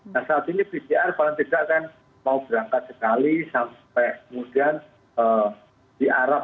nah saat ini pcr paling tidak kan mau berangkat sekali sampai kemudian di arab